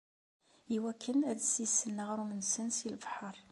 Iwakken ad d-ssisen aɣrum-nsen si lebḥer.